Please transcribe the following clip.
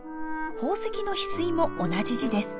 宝石のひすいも同じ字です。